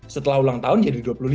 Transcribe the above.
setelah ulang tahun jadi dua puluh lima